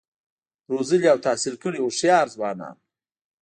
روزلي او تحصیل کړي هوښیار ځوانان